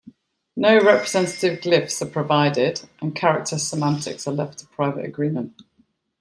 No representative glyphs are provided, and character semantics are left to private agreement.